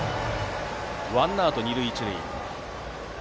ワンアウト、二塁一塁。